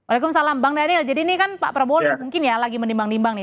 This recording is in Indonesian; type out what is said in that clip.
waalaikumsalam bang daniel jadi ini kan pak prabowo mungkin ya lagi menimbang nimbang nih